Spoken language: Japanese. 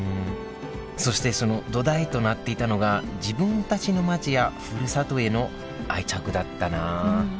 そしてその土台となっていたのが自分たちの街やふるさとへの愛着だったなあ。